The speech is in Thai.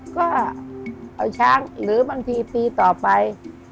ก็เอาช้างหรือบางทีปีต่อไป